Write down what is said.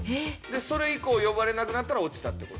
それ以降呼ばれなくなったら落ちたって事？